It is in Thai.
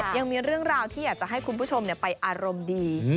ยังมีเรื่องราวที่อยากจะให้คุณผู้ชมไปอารมณ์ดี